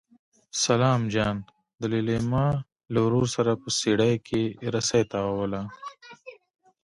سلام جان د لېلما له ورور سره په څېړۍ کې رسۍ تاووله.